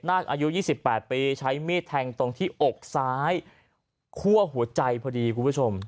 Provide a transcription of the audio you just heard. อายุ๒๘ปีใช้มีดแทงตรงที่อกซ้ายคั่วหัวใจพอดีคุณผู้ชม